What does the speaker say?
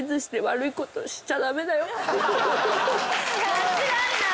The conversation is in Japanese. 間違いない！